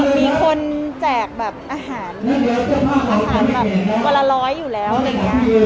มีคนแจกแบบอาหารอาหารแบบวันละร้อยอยู่แล้วอะไรอย่างนี้